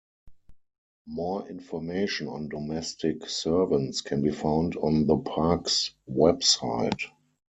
More information on domestic servants can be found on the park's website.